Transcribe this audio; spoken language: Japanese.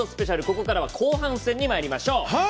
ここからは後半戦にまいりましょう！